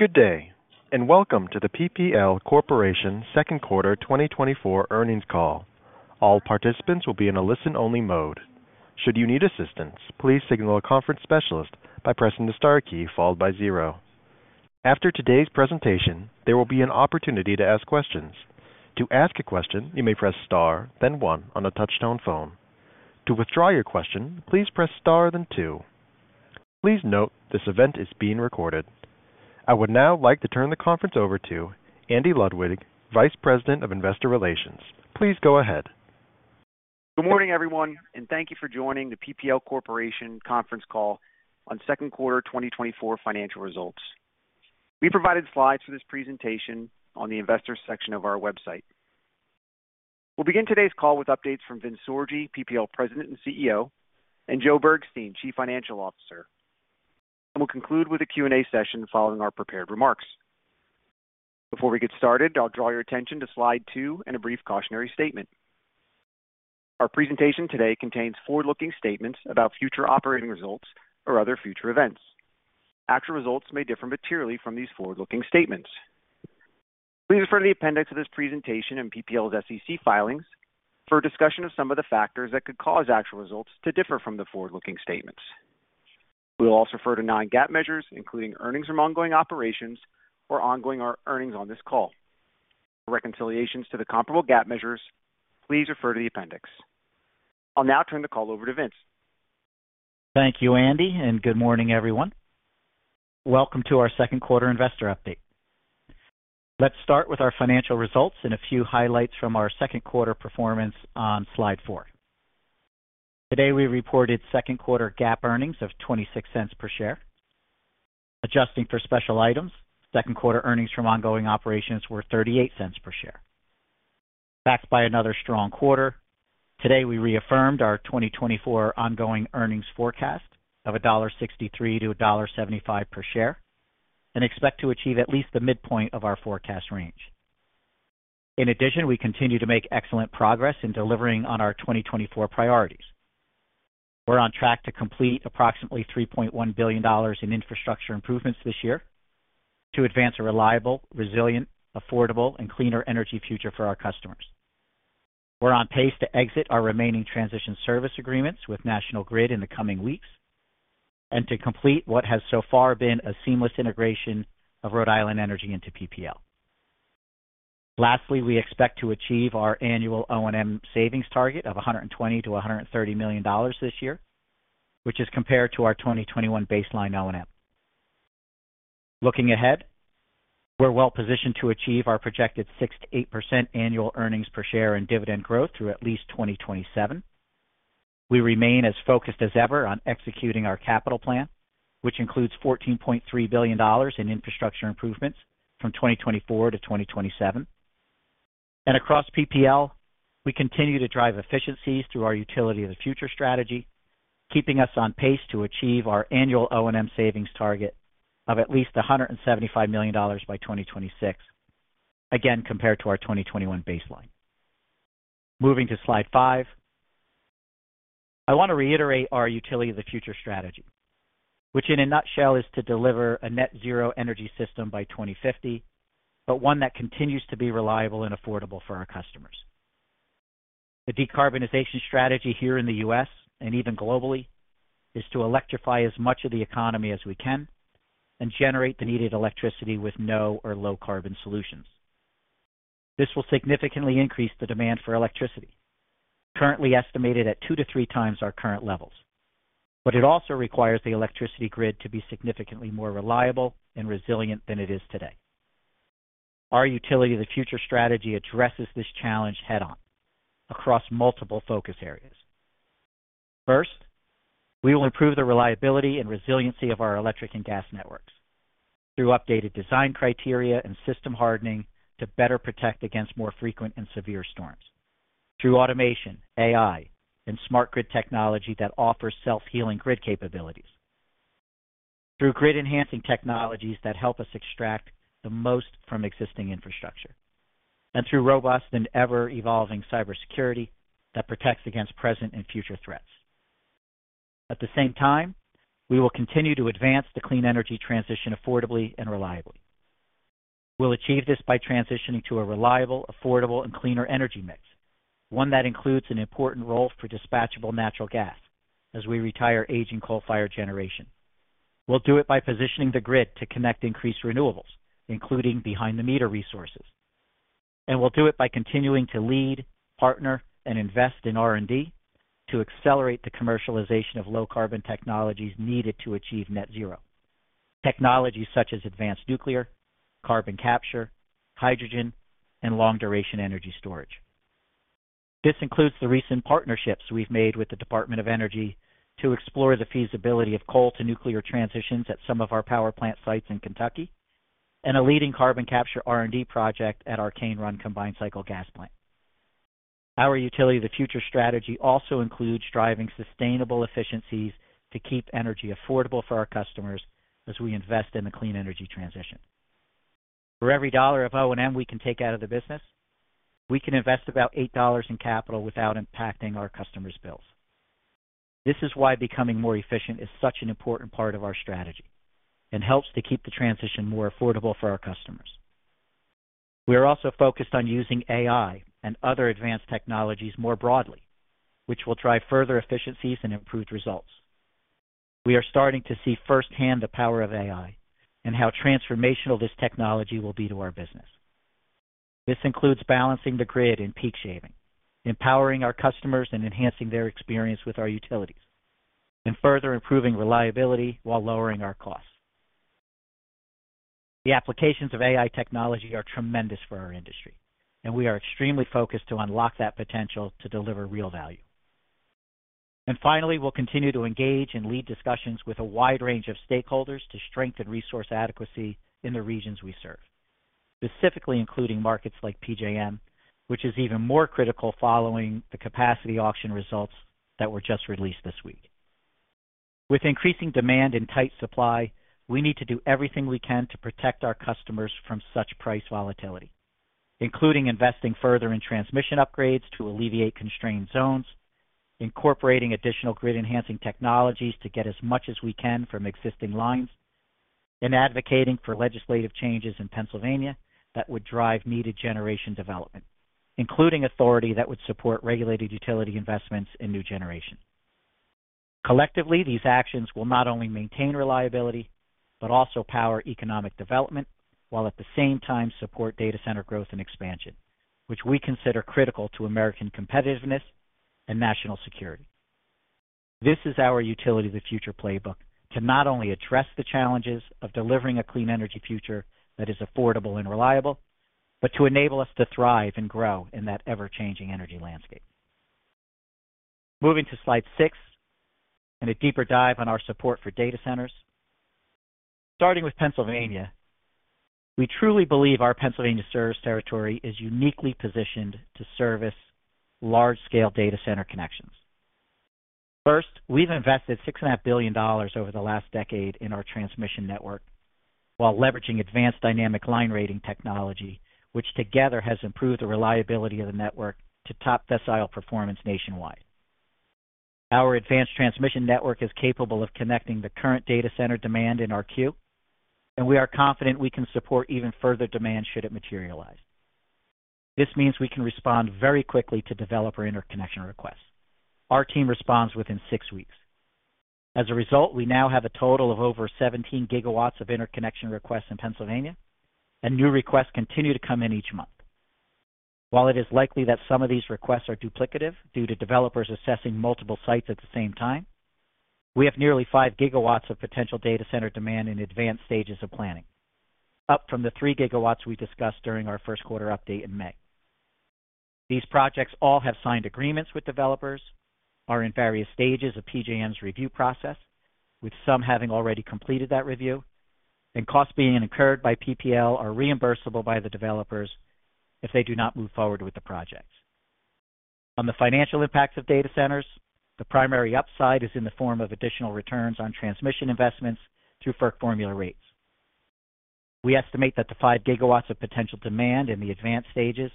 Good day, and welcome to the PPL Corporation second quarter 2024 earnings call. All participants will be in a listen-only mode. Should you need assistance, please signal a conference specialist by pressing the star key followed by zero. After today's presentation, there will be an opportunity to ask questions. To ask a question, you may press star, then one on the touchtone phone. To withdraw your question, please press Star then two. Please note, this event is being recorded. I would now like to turn the conference over to Andy Ludwig, Vice President of Investor Relations. Please go ahead. Good morning, everyone, and thank you for joining the PPL Corporation conference call on second quarter 2024 financial results. We provided slides for this presentation on the investor section of our website. We'll begin today's call with updates from Vince Sorgi, PPL President and CEO, and Joe Bergstein, Chief Financial Officer, and we'll conclude with a Q&A session following our prepared remarks. Before we get started, I'll draw your attention to slide 2 and a brief cautionary statement. Our presentation today contains forward-looking statements about future operating results or other future events. Actual results may differ materially from these forward-looking statements. Please refer to the appendix of this presentation and PPL's SEC filings for a DSICussion of some of the factors that could cause actual results to differ from the forward-looking statements. We'll also refer to non-GAAP measures, including earnings from ongoing operations or ongoing earnings on this call. For reconciliations to the comparable GAAP measures, please refer to the appendix. I'll now turn the call over to Vince. Thank you, Andy, and good morning, everyone. Welcome to our second quarter investor update. Let's start with our financial results and a few highlights from our second quarter performance on slide 4. Today, we reported second quarter GAAP earnings of $0.26 per share. Adjusting for special items, second quarter earnings from ongoing operations were $0.38 per share. Backed by another strong quarter, today, we reaffirmed our 2024 ongoing earnings forecast of $1.63-$1.75 per share and expect to achieve at least the midpoint of our forecast range. In addition, we continue to make excellent progress in delivering on our 2024 priorities. We're on track to complete approximately $3.1 billion in infrastructure improvements this year to advance a reliable, resilient, affordable, and cleaner energy future for our customers. We're on pace to exit our remaining transition service agreements with National Grid in the coming weeks and to complete what has so far been a seamless integration of Rhode Island Energy into PPL. Lastly, we expect to achieve our annual O&M savings target of $120 million-$130 million this year, which is compared to our 2021 baseline O&M. Looking ahead, we're well positioned to achieve our projected 6%-8% annual earnings per share in dividend growth through at least 2027. We remain as focused as ever on executing our capital plan, which includes $14.3 billion in infrastructure improvements from 2024 to 2027. Across PPL, we continue to drive efficiencies through our Utility of the Future strategy, keeping us on pace to achieve our annual O&M savings target of at least $175 million by 2026, again, compared to our 2021 baseline. Moving to slide 5. I want to reiterate our Utility of the Future strategy, which, in a nutshell, is to deliver a net zero energy system by 2050, but one that continues to be reliable and affordable for our customers. The decarbonization strategy here in the U.S., and even globally, is to electrify as much of the economy as we can and generate the needed electricity with no or low carbon solutions. This will significantly increase the demand for electricity, currently estimated at 2-3 times our current levels, but it also requires the electricity grid to be significantly more reliable and resilient than it is today. Our Utility of the Future strategy addresses this challenge head-on across multiple focus areas. First, we will improve the reliability and resiliency of our electric and gas networks through updated design criteria and system hardening to better protect against more frequent and severe storms, through automation, AI, and smart grid technology that offers self-healing grid capabilities, through grid-enhancing technologies that help us extract the most from existing infrastructure, and through robust and ever-evolving cybersecurity that protects against present and future threats. At the same time, we will continue to advance the clean energy transition affordably and reliably. We'll achieve this by transitioning to a reliable, affordable, and cleaner energy mix, one that includes an important role for dispatchable natural gas as we retire aging coal-fired generation. We'll do it by positioning the grid to connect increased renewables, including behind-the-meter resources, and we'll do it by continuing to lead, partner, and invest in R&D to accelerate the commercialization of low-carbon technologies needed to achieve Net Zero, technologies such as advanced nuclear, carbon capture, hydrogen, and long-duration energy storage. This includes the recent partnerships we've made with the Department of Energy to explore the feasibility of coal to nuclear transitions at some of our power plant sites in Kentucky and a leading carbon capture R&D project at our Cane Run combined cycle gas plant. Our Utility of the Future strategy also includes driving sustainable efficiencies to keep energy affordable for our customers as we invest in the clean energy transition. For every $1 of O&M we can take out of the business, we can invest about $8 in capital without impacting our customers' bills. This is why becoming more efficient is such an important part of our strategy and helps to keep the transition more affordable for our customers. We are also focused on using AI and other advanced technologies more broadly, which will drive further efficiencies and improved results. We are starting to see firsthand the power of AI and how transformational this technology will be to our business. This includes balancing the grid in peak shaving, empowering our customers, and enhancing their experience with our utilities, and further improving reliability while lowering our costs. The applications of AI technology are tremendous for our industry, and we are extremely focused to unlock that potential to deliver real value. And finally, we'll continue to engage and lead DSICussions with a wide range of stakeholders to strengthen resource adequacy in the regions we serve, specifically including markets like PJM, which is even more critical following the capacity auction results that were just released this week. With increasing demand and tight supply, we need to do everything we can to protect our customers from such price volatility, including investing further in transmission upgrades to alleviate constrained zones, incorporating additional grid-enhancing technologies to get as much as we can from existing lines, and advocating for legislative changes in Pennsylvania that would drive needed generation development, including authority that would support regulated utility investments in new generation. Collectively, these actions will not only maintain reliability, but also power economic development, while at the same time support data center growth and expansion, which we consider critical to American competitiveness and national security. This is our Utility of the Future playbook to not only address the challenges of delivering a clean energy future that is affordable and reliable, but to enable us to thrive and grow in that ever-changing energy landscape. Moving to slide 6 and a deeper dive on our support for data centers. Starting with Pennsylvania, we truly believe our Pennsylvania service territory is uniquely positioned to service large-scale data center connections. First, we've invested $6.5 billion over the last decade in our transmission network while leveraging advanced dynamic line rating technology, which together has improved the reliability of the network to top decile performance nationwide. Our advanced transmission network is capable of connecting the current data center demand in our queue, and we are confident we can support even further demand should it materialize. This means we can respond very quickly to developer interconnection requests. Our team responds within 6 weeks. As a result, we now have a total of over 17 GW of interconnection requests in Pennsylvania, and new requests continue to come in each month. While it is likely that some of these requests are duplicative due to developers assessing multiple sites at the same time, we have nearly 5 GW of potential data center demand in advanced stages of planning, up from the 3 GW we discussed during our first quarter update in May. These projects all have signed agreements with developers, are in various stages of PJM's review process, with some having already completed that review, and costs being incurred by PPL are reimbursable by the developers if they do not move forward with the projects. On the financial impacts of data centers, the primary upside is in the form of additional returns on transmission investments through FERC formula rates. We estimate that the 5 GW of potential demand in the advanced stages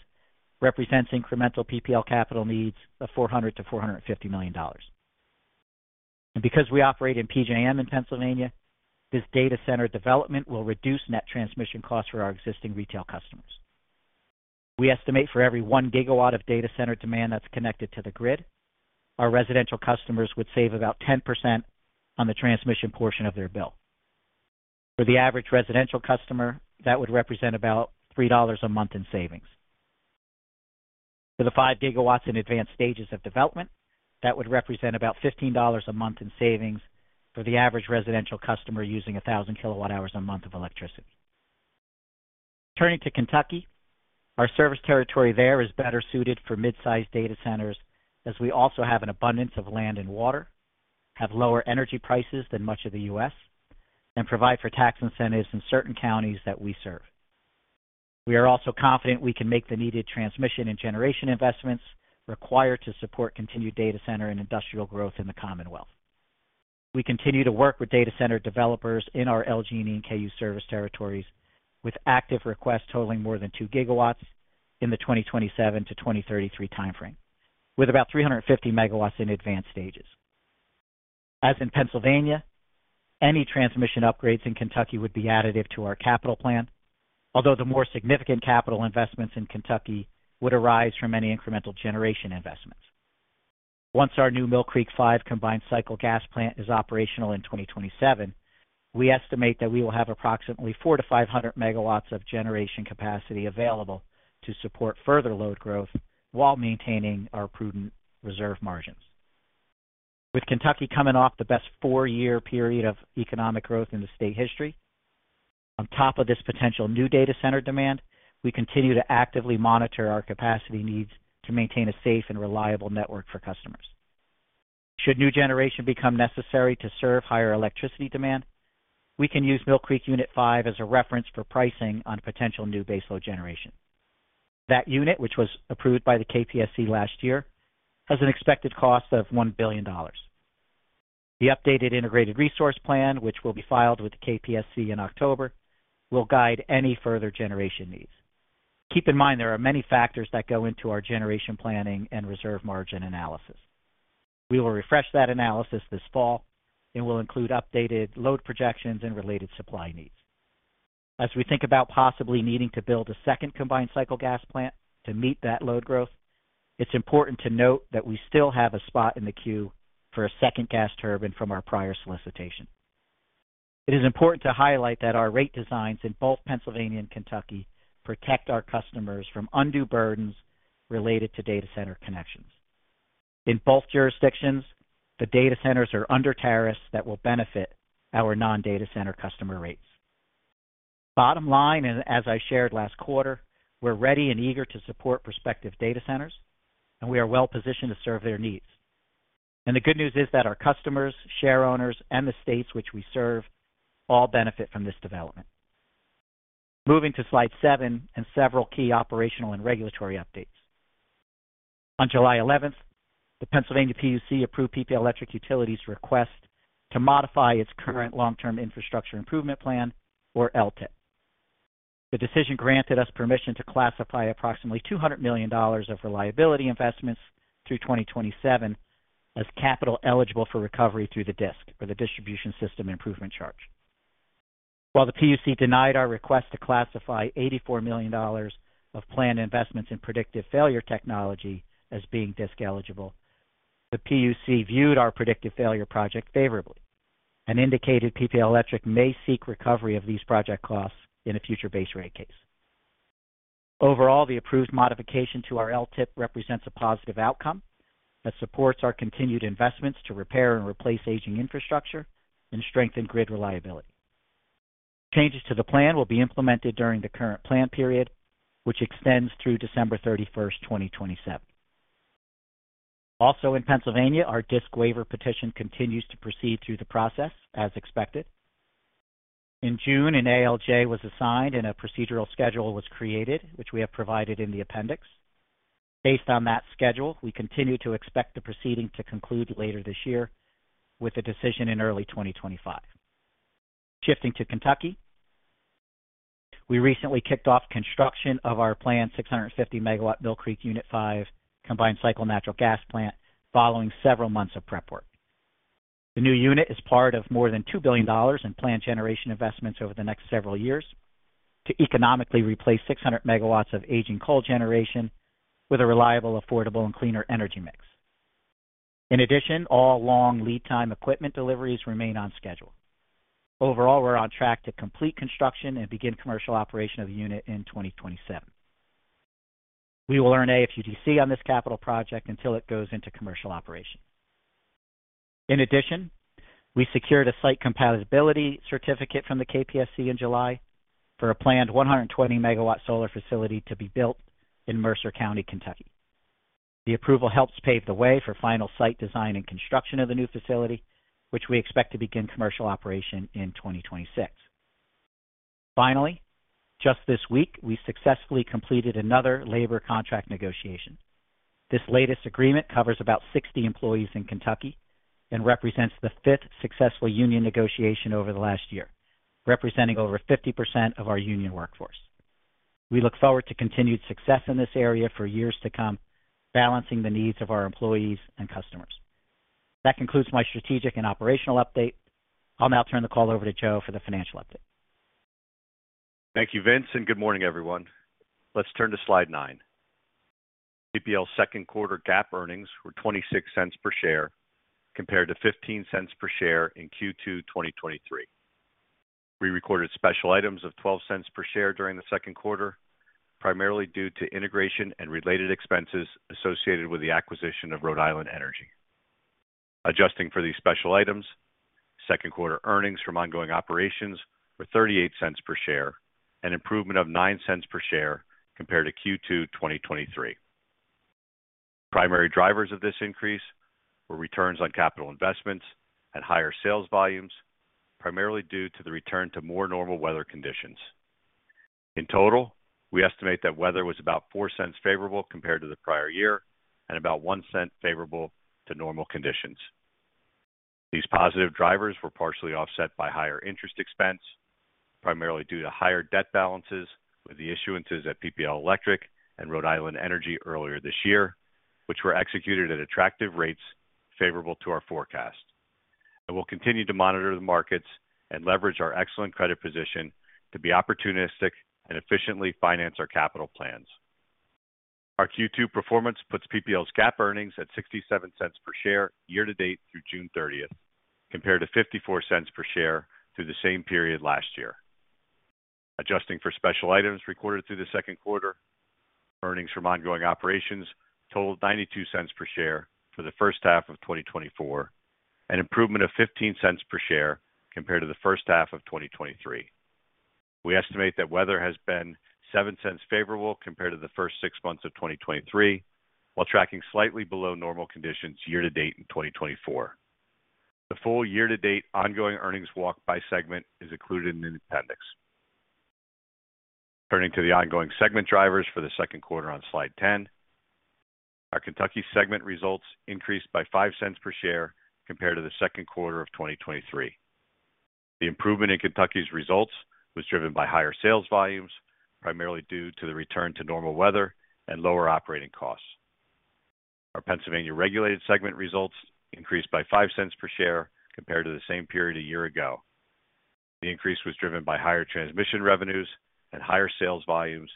represents incremental PPL capital needs of $400-$450 million. And because we operate in PJM in Pennsylvania, this data center development will reduce net transmission costs for our existing retail customers. We estimate for every 1 gigawatt of data center demand that's connected to the grid, our residential customers would save about 10% on the transmission portion of their bill. For the average residential customer, that would represent about $3 a month in savings. For the 5 GW in advanced stages of development, that would represent about $15 a month in savings for the average residential customer using 1,000 kWh a month of electricity. Turning to Kentucky, our service territory there is better suited for mid-sized data centers, as we also have an abundance of land and water, have lower energy prices than much of the U.S., and provide for tax incentives in certain counties that we serve. We are also confident we can make the needed transmission and generation investments required to support continued data center and industrial growth in the Commonwealth. We continue to work with data center developers in our LG&E and KU service territories, with active requests totaling more than 2 GW in the 2027-2033 timeframe, with about 350 MW in advanced stages. As in Pennsylvania, any transmission upgrades in Kentucky would be additive to our capital plan, although the more significant capital investments in Kentucky would arise from any incremental generation investments. Once our new Mill Creek 5 combined cycle gas plant is operational in 2027, we estimate that we will have approximately 400-500 MW of generation capacity available to support further load growth while maintaining our prudent reserve margins. With Kentucky coming off the best four-year period of economic growth in the state history, on top of this potential new data center demand, we continue to actively monitor our capacity needs to maintain a safe and reliable network for customers. Should new generation become necessary to serve higher electricity demand, we can use Mill Creek Unit Five as a reference for pricing on potential new baseload generation. That unit, which was approved by the KPSC last year, has an expected cost of $1 billion. The updated integrated resource plan, which will be filed with the KPSC in October, will guide any further generation needs. Keep in mind, there are many factors that go into our generation planning and reserve margin analysis. We will refresh that analysis this fall, and we'll include updated load projections and related supply needs. As we think about possibly needing to build a second combined cycle gas plant to meet that load growth, it's important to note that we still have a spot in the queue for a second gas turbine from our prior solicitation. It is important to highlight that our rate designs in both Pennsylvania and Kentucky protect our customers from undue burdens related to data center connections. In both jurisdictions, the data centers are under tariffs that will benefit our non-data center customer rates. Bottom line, and as I shared last quarter, we're ready and eager to support prospective data centers, and we are well-positioned to serve their needs. The good news is that our customers, shareowners, and the states which we serve, all benefit from this development. Moving to slide seven and several key operational and regulatory updates. On July 11, the Pennsylvania PUC approved PPL Electric Utilities' request to modify its current long-term infrastructure improvement plan, or LTIP. The decision granted us permission to classify approximately $200 million of reliability investments through 2027 as capital eligible for recovery through the DSIC, or the Distribution System Improvement Charge. While the PUC denied our request to classify $84 million of planned investments in predictive failure technology as being DSIC eligible, the PUC viewed our predictive failure project favorably, and indicated PPL Electric may seek recovery of these project costs in a future base rate case. Overall, the approved modification to our LTIP represents a positive outcome that supports our continued investments to repair and replace aging infrastructure and strengthen grid reliability. Changes to the plan will be implemented during the current plan period, which extends through December 31, 2027. Also in Pennsylvania, our DSIC waiver petition continues to proceed through the process as expected. In June, an ALJ was assigned and a procedural schedule was created, which we have provided in the appendix. Based on that schedule, we continue to expect the proceeding to conclude later this year, with a decision in early 2025. Shifting to Kentucky, we recently kicked off construction of our planned 650-MW Mill Creek Unit 5 combined cycle natural gas plant following several months of prep work. The new unit is part of more than $2 billion in planned generation investments over the next several years to economically replace 600 MW of aging coal generation with a reliable, affordable, and cleaner energy mix. In addition, all long lead time equipment deliveries remain on schedule. Overall, we're on track to complete construction and begin commercial operation of the unit in 2027. We will earn AFUDC on this capital project until it goes into commercial operation. In addition, we secured a site compatibility certificate from the KPSC in July for a planned 120-megawatt solar facility to be built in Mercer County, Kentucky. The approval helps pave the way for final site design and construction of the new facility, which we expect to begin commercial operation in 2026. Finally, just this week, we successfully completed another labor contract negotiation. This latest agreement covers about 60 employees in Kentucky and represents the fifth successful union negotiation over the last year, representing over 50% of our union workforce. We look forward to continued success in this area for years to come, balancing the needs of our employees and customers. That concludes my strategic and operational update. I'll now turn the call over to Joe for the financial update. Thank you, Vince, and good morning, everyone. Let's turn to slide 9. PPL's second quarter GAAP earnings were $0.26 per share, compared to $0.15 per share in Q2 2023. We recorded special items of $0.12 per share during the second quarter, primarily due to integration and related expenses associated with the acquisition of Rhode Island Energy. Adjusting for these special items, second quarter earnings from ongoing operations were $0.38 per share, an improvement of $0.09 per share compared to Q2 2023. Primary drivers of this increase were returns on capital investments and higher sales volumes, primarily due to the return to more normal weather conditions. In total, we estimate that weather was about $0.04 favorable compared to the prior year and about $0.01 favorable to normal conditions. These positive drivers were partially offset by higher interest expense, primarily due to higher debt balances with the issuances at PPL Electric and Rhode Island Energy earlier this year, which were executed at attractive rates favorable to our forecast. We'll continue to monitor the markets and leverage our excellent credit position to be opportunistic and efficiently finance our capital plans. Our Q2 performance puts PPL's GAAP earnings at $0.67 per share year to date through June 30, compared to $0.54 per share through the same period last year. Adjusting for special items recorded through the second quarter, earnings from ongoing operations totaled $0.92 per share for the first half of 2024, an improvement of $0.15 per share compared to the first half of 2023. We estimate that weather has been $0.07 favorable compared to the first six months of 2023, while tracking slightly below normal conditions year to date in 2024. The full year to date ongoing earnings walk by segment is included in the appendix.... Turning to the ongoing segment drivers for the second quarter on Slide 10. Our Kentucky segment results increased by $0.05 per share compared to the second quarter of 2023. The improvement in Kentucky's results was driven by higher sales volumes, primarily due to the return to normal weather and lower operating costs. Our Pennsylvania regulated segment results increased by $0.05 per share compared to the same period a year ago. The increase was driven by higher transmission revenues and higher sales volumes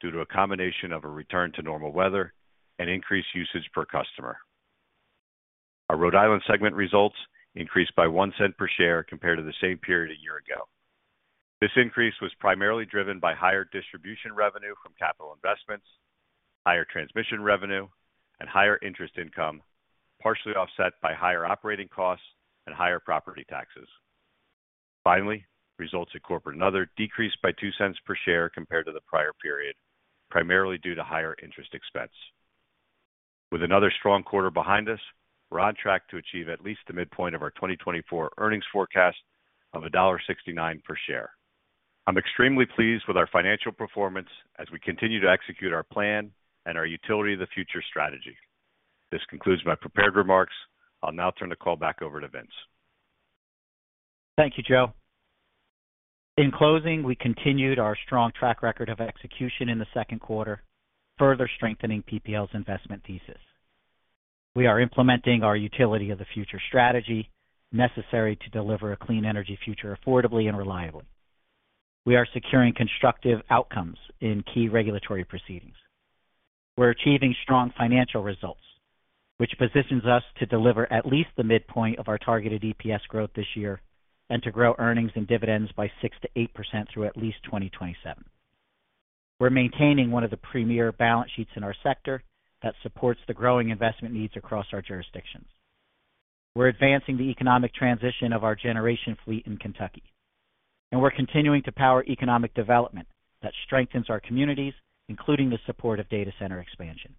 due to a combination of a return to normal weather and increased usage per customer. Our Rhode Island segment results increased by $0.01 per share compared to the same period a year ago. This increase was primarily driven by higher distribution revenue from capital investments, higher transmission revenue, and higher interest income, partially offset by higher operating costs and higher property taxes. Finally, results at Corporate and Other decreased by $0.02 per share compared to the prior period, primarily due to higher interest expense. With another strong quarter behind us, we're on track to achieve at least the midpoint of our 2024 earnings forecast of $1.69 per share. I'm extremely pleased with our financial performance as we continue to execute our plan and our Utility of the Future strategy. This concludes my prepared remarks. I'll now turn the call back over to Vince. Thank you, Joe. In closing, we continued our strong track record of execution in the second quarter, further strengthening PPL's investment thesis. We are implementing our Utility of the Future strategy, necessary to deliver a clean energy future affordably and reliably. We are securing constructive outcomes in key regulatory proceedings. We're achieving strong financial results, which positions us to deliver at least the midpoint of our targeted EPS growth this year, and to grow earnings and dividends by 6%-8% through at least 2027. We're maintaining one of the premier balance sheets in our sector that supports the growing investment needs across our jurisdictions. We're advancing the economic transition of our generation fleet in Kentucky, and we're continuing to power economic development that strengthens our communities, including the support of data center expansion.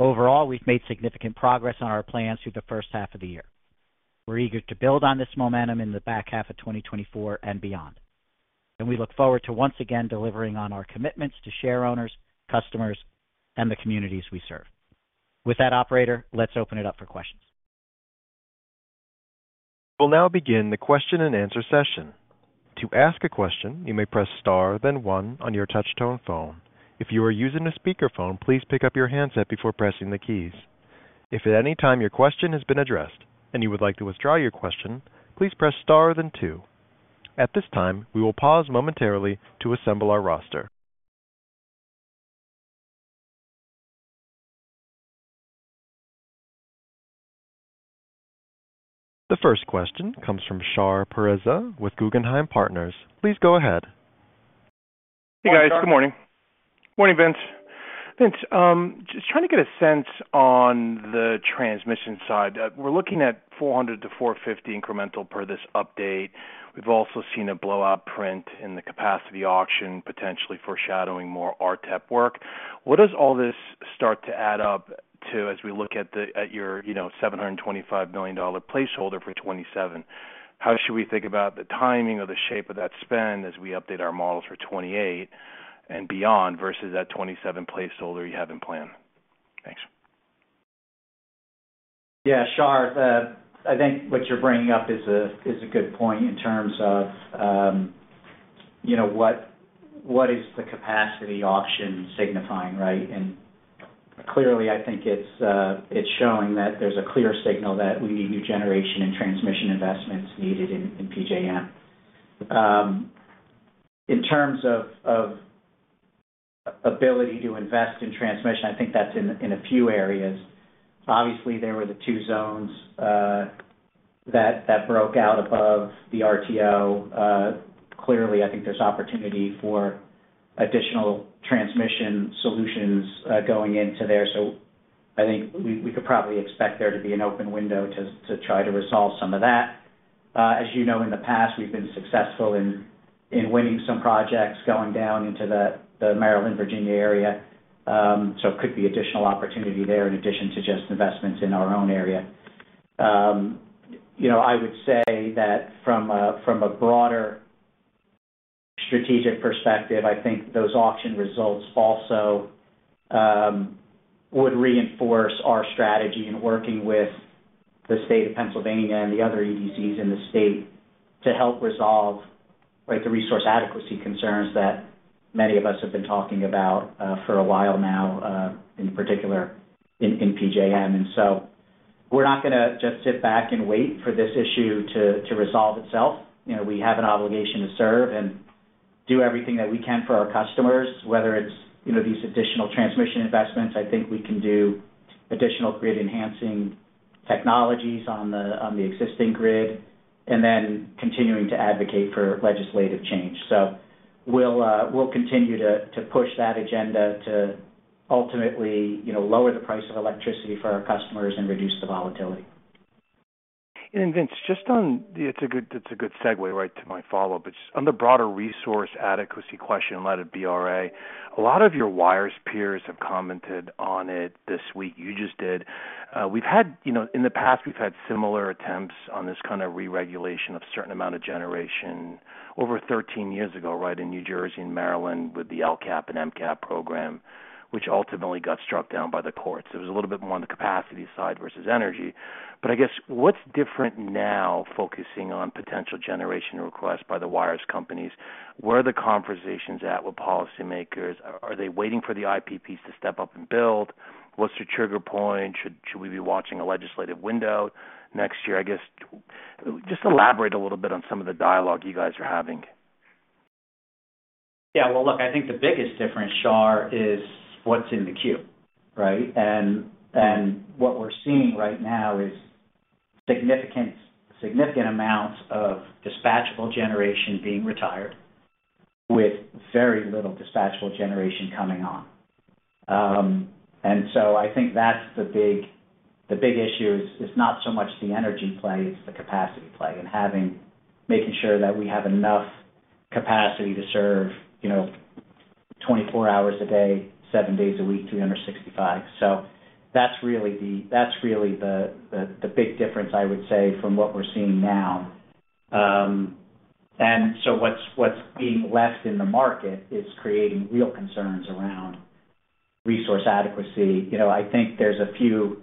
Overall, we've made significant progress on our plans through the first half of the year. We're eager to build on this momentum in the back half of 2024 and beyond, and we look forward to once again delivering on our commitments to shareowners, customers, and the communities we serve. With that, operator, let's open it up for questions. We'll now begin the question-and-answer session. To ask a question, you may press star, then one on your touchtone phone. If you are using a speakerphone, please pick up your handset before pressing the keys. If at any time your question has been addressed and you would like to withdraw your question, please press star then two. At this time, we will pause momentarily to assemble our roster. The first question comes from Shar Pourreza with Guggenheim Partners. Please go ahead. Hey, guys. Good morning. Morning, Vince. Vince, just trying to get a sense on the transmission side. We're looking at 400-450 incremental per this update. We've also seen a blowout print in the capacity auction, potentially foreshadowing more RTEP work. What does all this start to add up to as we look at your, you know, $725 million dollar placeholder for 2027? How should we think about the timing or the shape of that spend as we update our models for 2028 and beyond versus that 2027 placeholder you have in plan? Thanks. Yeah, Shar, I think what you're bringing up is a good point in terms of, you know, what is the capacity auction signifying, right? And clearly, I think it's showing that there's a clear signal that we need new generation and transmission investments needed in PJM. In terms of ability to invest in transmission, I think that's in a few areas. Obviously, there were the two zones that broke out above the RTO. Clearly, I think there's opportunity for additional transmission solutions going into there. So I think we could probably expect there to be an open window to try to resolve some of that. As you know, in the past, we've been successful in winning some projects going down into the Maryland, Virginia area. So could be additional opportunity there in addition to just investments in our own area. You know, I would say that from a broader strategic perspective, I think those auction results also would reinforce our strategy in working with the state of Pennsylvania and the other EDCs in the state to help resolve, right, the resource adequacy concerns that many of us have been talking about for a while now in particular in PJM. And so we're not gonna just sit back and wait for this issue to resolve itself. You know, we have an obligation to serve and do everything that we can for our customers, whether it's, you know, these additional transmission investments. I think we can do additional grid enhancing technologies on the existing grid, and then continuing to advocate for legislative change. We'll continue to push that agenda to ultimately, you know, lower the price of electricity for our customers and reduce the volatility. And Vince, just on... It's a good, it's a good segue, right, to my follow-up. It's on the broader resource adequacy question, a lot of BRA. A lot of your wires peers have commented on it this week. You just did. We've had, you know, in the past, we've had similar attempts on this kind of re-regulation of certain amount of generation over 13 years ago, right, in New Jersey and Maryland with the LCAPP and MCAP program, which ultimately got struck down by the courts. It was a little bit more on the capacity side versus energy. But I guess, what's different now, focusing on potential generation requests by the wires companies? Where are the conversations at with policymakers? Are they waiting for the IPPs to step up and build? What's the trigger point? Should we be watching a legislative window next year? I guess, just elaborate a little bit on some of the dialogue you guys are having. Yeah, well, look, I think the biggest difference, Shar, is what's in the queue, right? And, and what we're seeing right now is significant, significant amounts of dispatchable generation being retired with very little dispatchable generation coming on. And so I think that's the big-- the big issue is, is not so much the energy play, it's the capacity play, and having-- making sure that we have enough capacity to serve, you know, 24 hours a day, 7 days a week, 365. So that's really the, that's really the, the, the big difference, I would say, from what we're seeing now. And so what's, what's being left in the market is creating real concerns around resource adequacy. You know, I think there's a few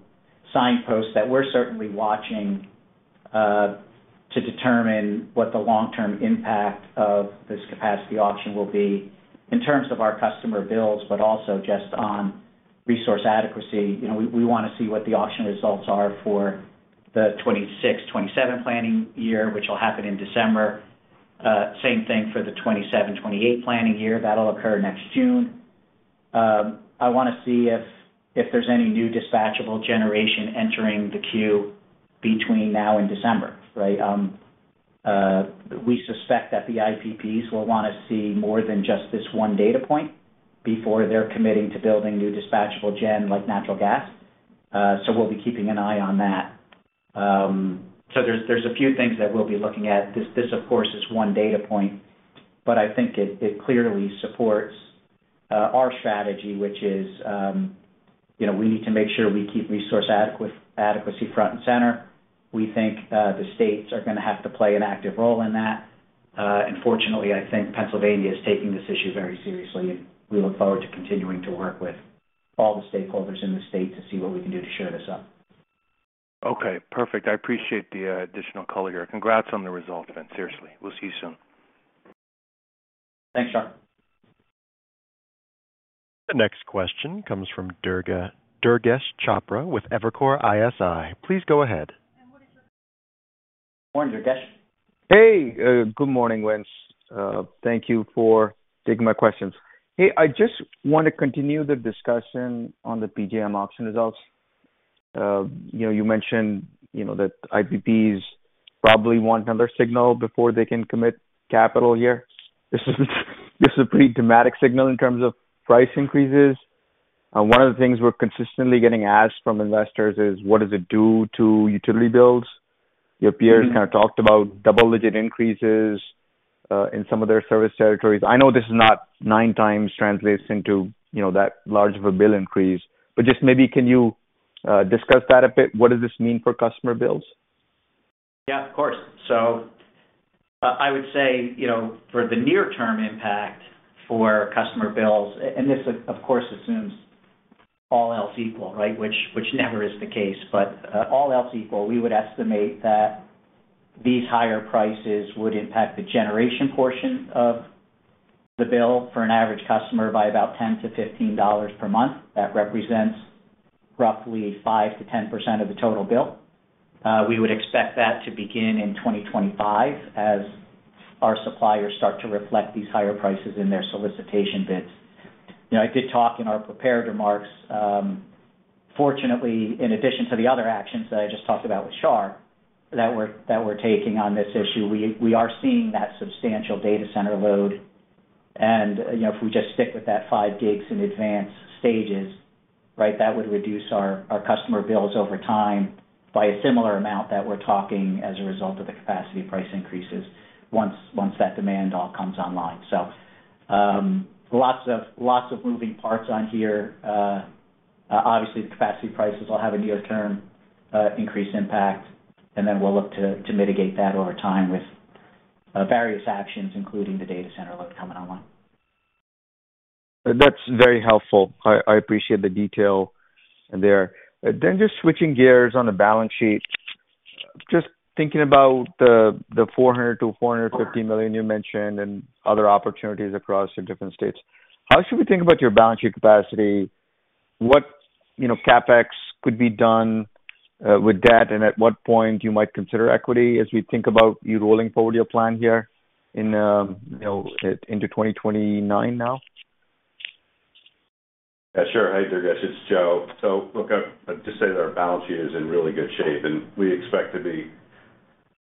signposts that we're certainly watching to determine what the long-term impact of this capacity auction will be in terms of our customer bills, but also just on resource adequacy. You know, we, we wanna see what the auction results are for the 2026-2027 planning year, which will happen in December. Same thing for the 2027-2028 planning year. That'll occur next June. I wanna see if, if there's any new dispatchable generation entering the queue between now and December, right? We suspect that the IPPs will wanna see more than just this one data point before they're committing to building new dispatchable gen, like natural gas. So we'll be keeping an eye on that. So there's, there's a few things that we'll be looking at. This, of course, is one data point, but I think it clearly supports our strategy, which is, you know, we need to make sure we keep resource adequacy front and center. We think the states are gonna have to play an active role in that. And fortunately, I think Pennsylvania is taking this issue very seriously, and we look forward to continuing to work with all the stakeholders in the state to see what we can do to shore this up. Okay, perfect. I appreciate the additional color here. Congrats on the result, and seriously, we'll see you soon. Thanks, Shar. The next question comes from Durgesh Chopra with Evercore ISI. Please go ahead. Good morning, Durgesh. Hey, good morning, Vince. Thank you for taking my questions. Hey, I just want to continue the discussion on the PJM auction results. You know, you mentioned, you know, that IPPs probably want another signal before they can commit capital here. This is a pretty dramatic signal in terms of price increases. One of the things we're consistently getting asked from investors is, what does it do to utility bills? Mm-hmm. Your peers kind of talked about double-digit increases in some of their service territories. I know this is not 9 times translates into, you know, that large of a bill increase, but just maybe, can you discuss that a bit? What does this mean for customer bills? Yeah, of course. So I, I would say, you know, for the near-term impact for customer bills, and this, of course, assumes all else equal, right? Which, which never is the case. But, all else equal, we would estimate that these higher prices would impact the generation portion of the bill for an average customer by about $10-$15 per month. That represents roughly 5%-10% of the total bill. We would expect that to begin in 2025 as our suppliers start to reflect these higher prices in their solicitation bids. You know, I did talk in our prepared remarks, fortunately, in addition to the other actions that I just talked about with Shar, that we're, that we're taking on this issue, we, we are seeing that substantial data center load. You know, if we just stick with that 5 gigs in advance stages, right, that would reduce our customer bills over time by a similar amount that we're talking as a result of the capacity price increases once that demand all comes online. Lots of moving parts on here. Obviously, the capacity prices will have a near-term increase impact, and then we'll look to mitigate that over time with various actions, including the data center load coming online. That's very helpful. I appreciate the detail there. Then just switching gears on the balance sheet, just thinking about the $400 million-$450 million you mentioned and other opportunities across the different states. How should we think about your balance sheet capacity? What, you know, CapEx could be done with debt, and at what point you might consider equity as we think about you rolling forward your plan here in, you know, into 2029 now? Yeah, sure. Hi, Durgesh, it's Joe. So look, I'd just say that our balance sheet is in really good shape, and we expect to be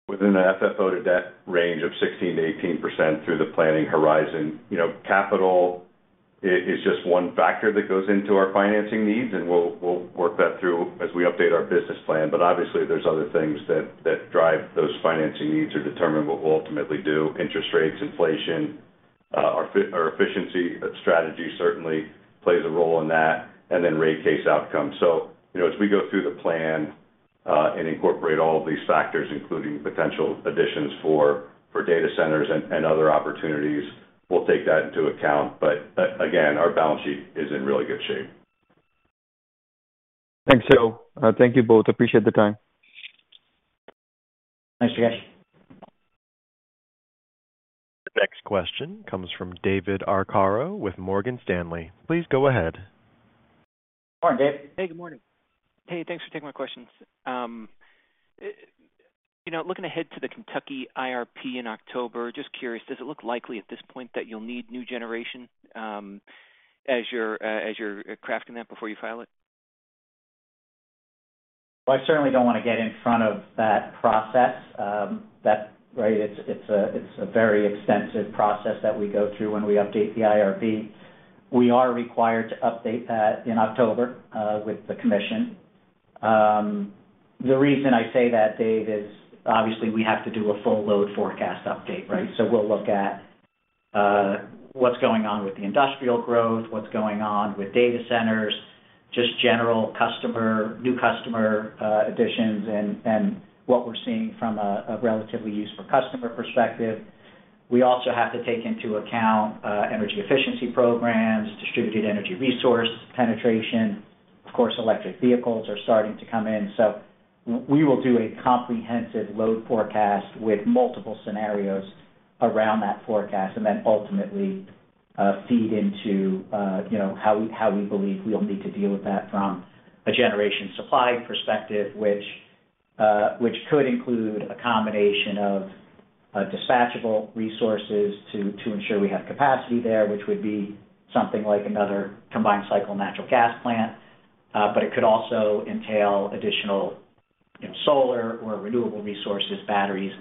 within the FFO to debt range of 16%-18% through the planning horizon. You know, capital is just one factor that goes into our financing needs, and we'll work that through as we update our business plan. But obviously, there's other things that drive those financing needs to determine what we'll ultimately do: interest rates, inflation. Our efficiency strategy certainly plays a role in that, and then rate case outcome. So, you know, as we go through the plan, and incorporate all of these factors, including potential additions for data centers and other opportunities, we'll take that into account. But again, our balance sheet is in really good shape. Thanks, Joe. Thank you both. Appreciate the time. Thanks, guys. The next question comes from David Arcaro with Morgan Stanley. Please go ahead. Good morning, Dave. Hey, good morning. Hey, thanks for taking my questions. You know, looking ahead to the Kentucky IRP in October, just curious, does it look likely at this point that you'll need new generation as you're crafting that before you file it? Well, I certainly don't want to get in front of that process. It's a very extensive process that we go through when we update the IRP. We are required to update that in October with the commission. The reason I say that, Dave, is obviously we have to do a full load forecast update, right? So we'll look at what's going on with the industrial growth, what's going on with data centers, just general customer, new customer additions, and what we're seeing from a retail customer perspective. We also have to take into account energy efficiency programs, distributed energy resource penetration. Of course, electric vehicles are starting to come in, so we will do a comprehensive load forecast with multiple scenarios around that forecast, and then ultimately, feed into, you know, how we believe we'll need to deal with that from a generation supply perspective, which could include a combination of dispatchable resources to ensure we have capacity there, which would be something like another combined cycle natural gas plant. But it could also entail additional solar or renewable resources, batteries,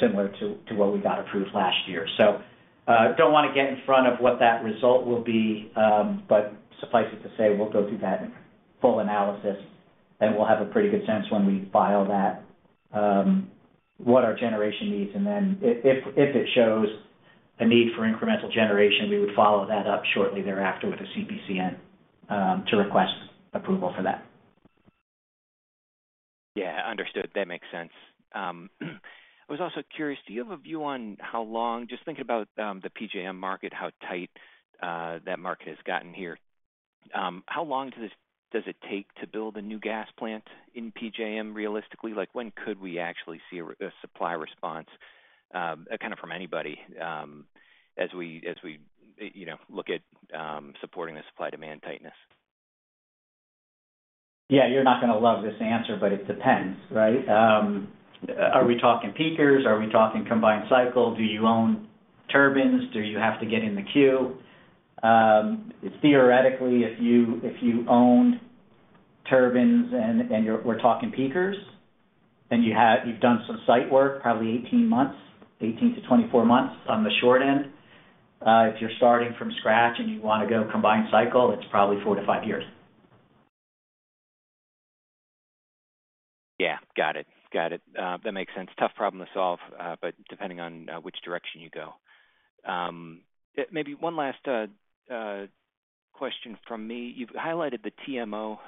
similar to what we got approved last year. So, don't want to get in front of what that result will be, but suffice it to say, we'll go through that full analysis, and we'll have a pretty good sense when we file that, what our generation needs. If it shows a need for incremental generation, we would follow that up shortly thereafter with the CPCN to request approval for that. Yeah, understood. That makes sense. I was also curious, do you have a view on how long— Just thinking about, the PJM market, how tight, that market has gotten here. How long does this— does it take to build a new gas plant in PJM, realistically? Like, when could we actually see a, a supply response, kind of from anybody, as we, as we, you know, look at, supporting the supply-demand tightness? Yeah, you're not going to love this answer, but it depends, right? Are we talking peakers? Are we talking combined cycle? Do you own turbines? Do you have to get in the queue? Theoretically, if you, if you owned turbines and, and you're-- we're talking peakers, and you have-- you've done some site work, probably 18 months, 18-24 months on the short end. If you're starting from scratch and you want to go combined cycle, it's probably 4-5 years. Yeah, got it. Got it. That makes sense. Tough problem to solve, but depending on which direction you go. Maybe one last question from me. You've highlighted the TMO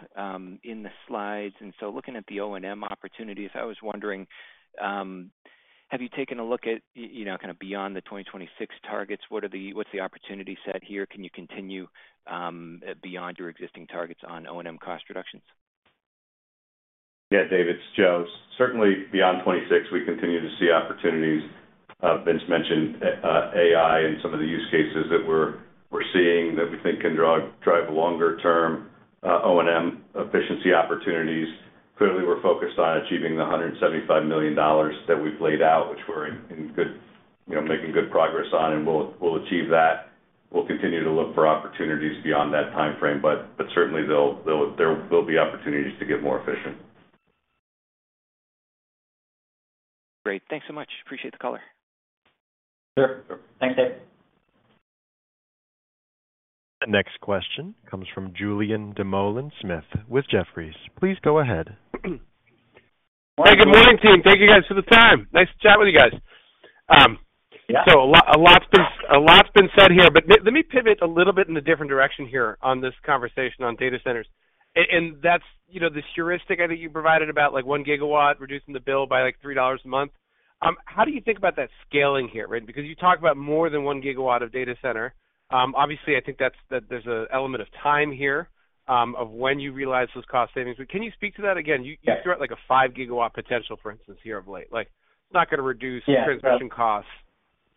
in the slides, and so looking at the O&M opportunities, I was wondering, have you taken a look at, you know, kind of beyond the 2026 targets? What are the-- what's the opportunity set here? Can you continue beyond your existing targets on O&M cost reductions? Yeah, Dave, it's Joe. Certainly, beyond 2026, we continue to see opportunities. Vince mentioned AI and some of the use cases that we're seeing, that we think can drive longer-term O&M efficiency opportunities. Clearly, we're focused on achieving the $175 million that we've laid out, which we're in good, you know, making good progress on, and we'll achieve that. We'll continue to look for opportunities beyond that timeframe, but certainly, there will be opportunities to get more efficient. Great. Thanks so much. Appreciate the call. Sure. Thanks, Dave. The next question comes from Julien Dumoulin-Smith with Jefferies. Please go ahead. Hey, good morning, team. Thank you, guys, for the time. Nice to chat with you guys. So a lot's been said here, but let me pivot a little bit in a different direction here on this conversation on data centers. And that's, you know, this heuristic I think you provided about, like, 1 GW, reducing the bill by, like, $3 a month. How do you think about that scaling here, right? Because you talk about more than 1 GW of data center. Obviously, I think that there's an element of time here, of when you realize those cost savings, but can you speak to that again? Yeah. You threw out, like, a 5 gigawatt potential, for instance, here of late. Like, it's not going to reduce- Yeah transmission costs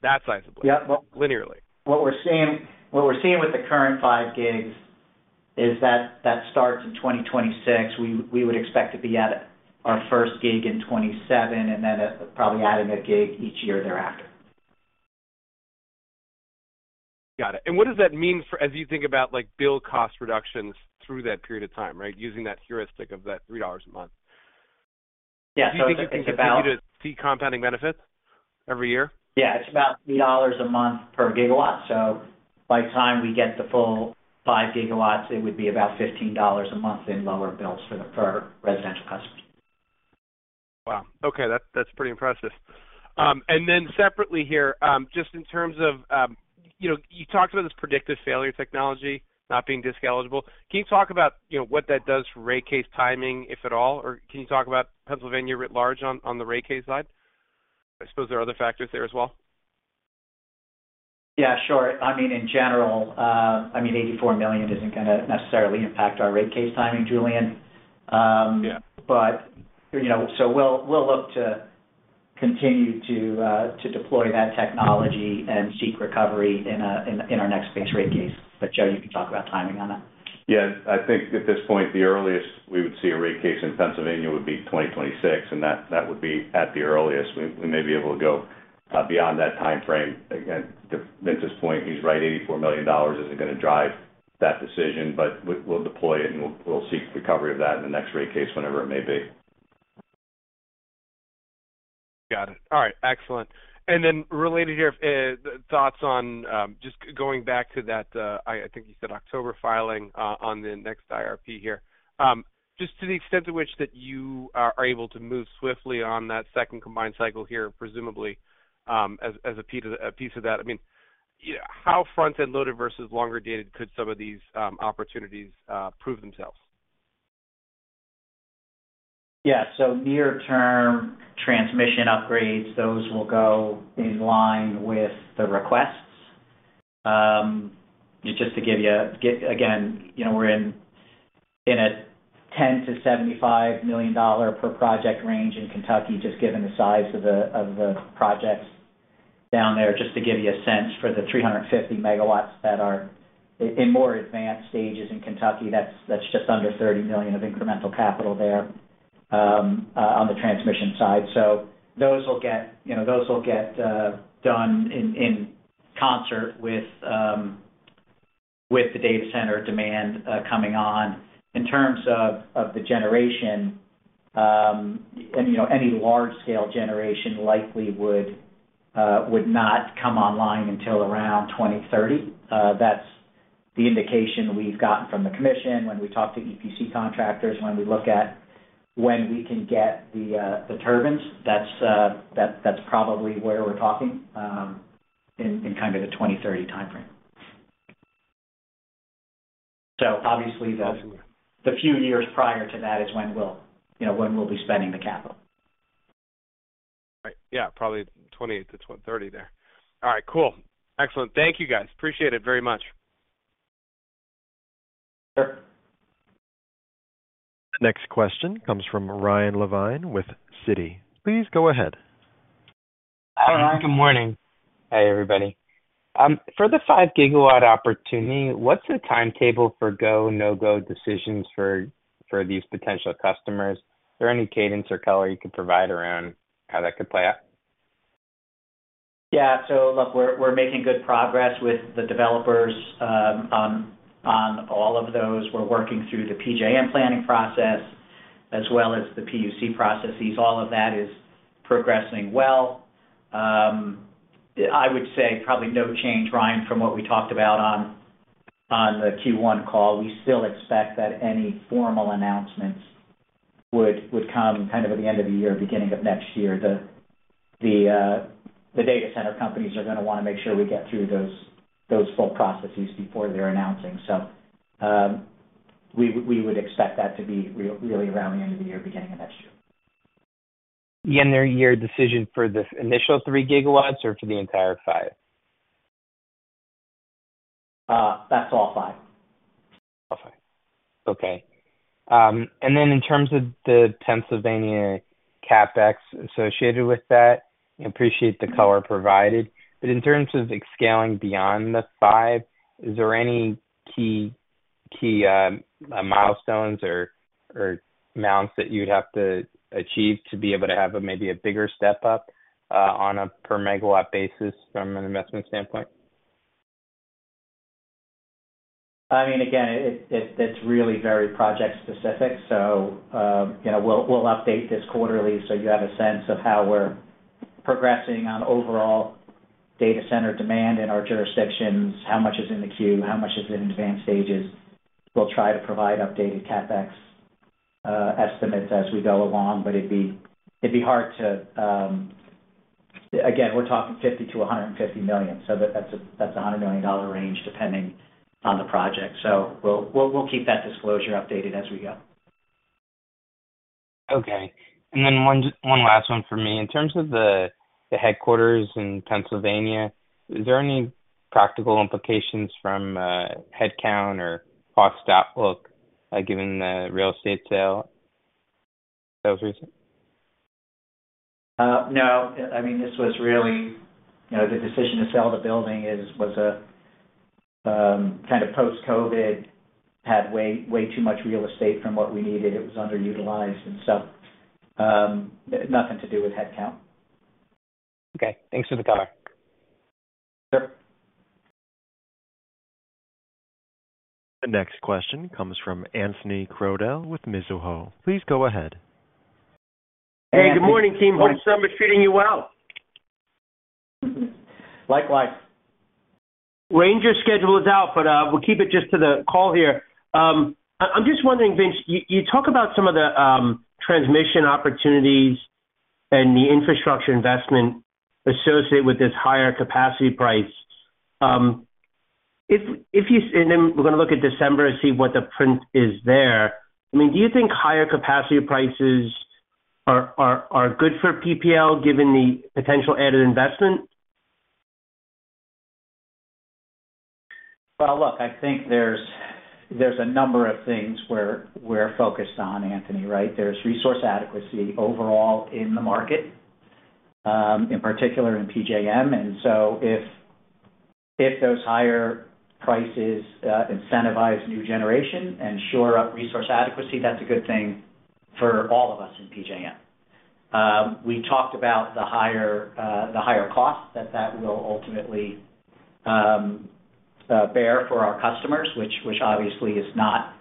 that sizably Yeah linearly. What we're seeing, what we're seeing with the current five gigs is that, that starts in 2026. We would expect to be at our first gig in 2027, and then probably adding a gig each year thereafter. Got it. And what does that mean for... As you think about, like, bill cost reductions through that period of time, right? Using that heuristic of that $3 a month. Yeah, so it's about Do you think you can continue to see compounding benefits every year? Yeah, it's about $3 a month per GW. So by the time we get the full 5 GW, it would be about $15 a month in lower bills for residential customers. Wow, okay, that, that's pretty impressive. And then separately here, just in terms of, you know, you talked about this predictive failure technology not being DSIC eligible. Can you talk about, you know, what that does for rate case timing, if at all? Or can you talk about Pennsylvania writ large on, on the rate case side? I suppose there are other factors there as well. Yeah, sure. I mean, in general, I mean, $84 million isn't gonna necessarily impact our rate case timing, Julian. Yeah. But, you know, so we'll look to continue to deploy that technology and seek recovery in our next base rate case. But Joe, you can talk about timing on that. Yeah, I think at this point, the earliest we would see a rate case in Pennsylvania would be 2026, and that would be at the earliest. We may be able to go beyond that timeframe. Again, to Vince's point, he's right, $84 million isn't gonna drive that decision, but we'll deploy it, and we'll seek recovery of that in the next rate case, whenever it may be. Got it. All right, excellent. And then related here, thoughts on, just going back to that, I think you said October filing on the next IRP here. Just to the extent to which that you are able to move swiftly on that second combined cycle here, presumably, as a piece of that. I mean, how front-end loaded versus longer dated could some of these opportunities prove themselves? Yeah, so near-term transmission upgrades, those will go in line with the requests. Just to give you a sense, again, you know, we're in a $10 million-$75 million per project range in Kentucky, just given the size of the projects down there, just to give you a sense for the 350 MW that are in more advanced stages in Kentucky, that's just under $30 million of incremental capital there on the transmission side. So those will get, you know, those will get done in concert with the data center demand coming on. In terms of the generation, and, you know, any large-scale generation likely would not come online until around 2030. That's the indication we've gotten from the commission when we talk to EPC contractors, when we look at when we can get the, the turbines, that's, that, that's probably where we're talking, in, in kind of the 2030 timeframe. So obviously, the, the few years prior to that is when we'll, you know, when we'll be spending the capital. Right. Yeah, probably 28-130 there. All right, cool. Excellent. Thank you, guys. Appreciate it very much. Sure. Next question comes from Ryan Levine with Citi. Please go ahead. Hi, good morning. Hey, everybody. For the 5-gigawatt opportunity, what's the timetable for go, no-go decisions for these potential customers? Is there any cadence or color you could provide around how that could play out? Yeah. So look, we're making good progress with the developers on all of those. We're working through the PJM planning process as well as the PUC processes. All of that is progressing well. I would say probably no change, Ryan, from what we talked about on the Q1 call. We still expect that any formal announcements would come kind of at the end of the year, beginning of next year. The data center companies are gonna wanna make sure we get through those full processes before they're announcing. So, we would expect that to be really around the end of the year, beginning of next year. Year-end decision for the initial 3 GW or for the entire 5? That's all five. All 5. Okay. And then in terms of the Pennsylvania CapEx associated with that, I appreciate the color provided. But in terms of scaling beyond the 5, is there any key milestones or amounts that you'd have to achieve to be able to have a maybe a bigger step up on a per megawatt basis from an investment standpoint? I mean, again, it's really very project specific. So, you know, we'll update this quarterly, so you have a sense of how we're progressing on overall data center demand in our jurisdictions, how much is in the queue, how much is in advanced stages. We'll try to provide updated CapEx estimates as we go along, but it'd be hard to. Again, we're talking $50 million-$150 million, so that's a $100 million range, depending on the project. So we'll keep that disclosure updated as we go. Okay. Then one last one for me. In terms of the headquarters in Pennsylvania, is there any practical implications from headcount or cost outlook, given the real estate sale, sales recent? No. I mean, this was really, you know, the decision to sell the building is, was a kind of post-COVID, had way, way too much real estate from what we needed. It was underutilized, and so, nothing to do with headcount. Okay. Thanks for the color. Sure. The next question comes from Anthony Crowdell with Mizuho. Please go ahead. Hey, good morning, team. Hope summer is treating you well. Likewise. Ranger schedule is out, but we'll keep it just to the call here. I'm just wondering, Vince, you talk about some of the transmission opportunities and the infrastructure investment associated with this higher capacity price. If you and then we're gonna look at December and see what the print is there. I mean, do you think higher capacity prices are good for PPL, given the potential added investment? Well, look, I think there's a number of things we're focused on, Anthony, right? There's resource adequacy overall in the market, in particular in PJM. And so if those higher prices incentivize new generation and shore up resource adequacy, that's a good thing for all of us in PJM. We talked about the higher cost that will ultimately bear for our customers, which obviously is not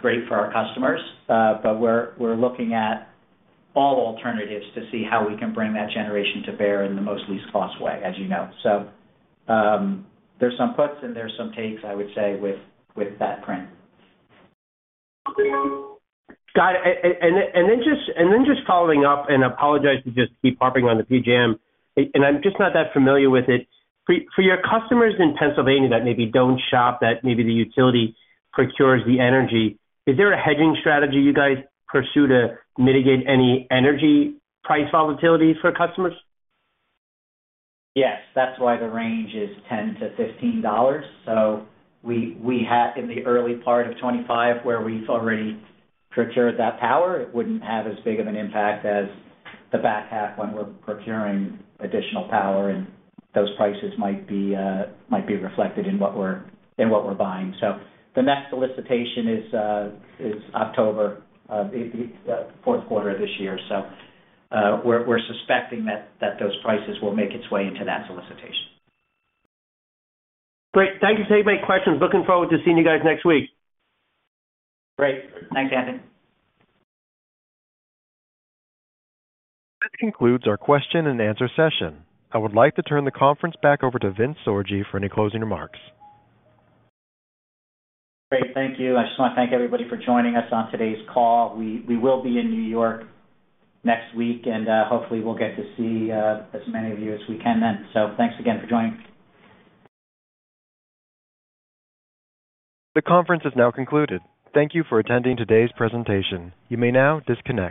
great for our customers. But we're looking at all alternatives to see how we can bring that generation to bear in the most least cost way, as you know. So, there's some puts and there's some takes, I would say, with that print. Got it. And then just following up, and I apologize to just keep harping on the PJM, and I'm just not that familiar with it. For your customers in Pennsylvania that maybe don't shop, that maybe the utility procures the energy, is there a hedging strategy you guys pursue to mitigate any energy price volatility for customers? Yes, that's why the range is $10-$15. So we have in the early part of 2025, where we've already procured that power, it wouldn't have as big of an impact as the back half when we're procuring additional power, and those prices might be reflected in what we're buying. So the next solicitation is October, the fourth quarter of this year. So we're suspecting that those prices will make its way into that solicitation. Great. Thank you for taking my questions. Looking forward to seeing you guys next week. Great. Thanks, Anthony. This concludes our question and answer session. I would like to turn the conference back over to Vince Sorgi for any closing remarks. Great. Thank you. I just want to thank everybody for joining us on today's call. We will be in New York next week, and hopefully we'll get to see as many of you as we can then. Thanks again for joining. The conference is now concluded. Thank you for attending today's presentation. You may now disconnect.